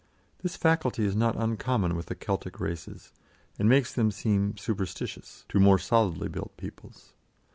This faculty is not uncommon with the Keltic races, and makes them seem "superstitious" to more solidly built peoples.